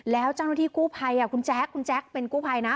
แล้วเจ้าหน้าที่กู้ภัยคุณแจ๊คคุณแจ๊คเป็นกู้ภัยนะ